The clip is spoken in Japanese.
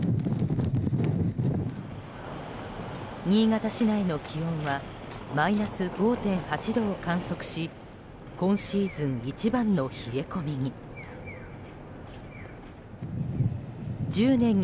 新潟市内の気温はマイナス５．８度を観測し今シーズン一番の冷え込みに。